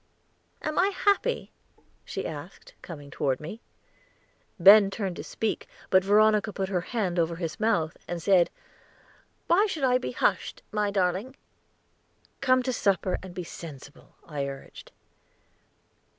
"Am I happy?" she asked, coming toward me. Ben turned to speak, but Veronica put her hand over his mouth, and said: "Why should I be 'hushed,' my darling?" "Come to supper, and be sensible," I urged.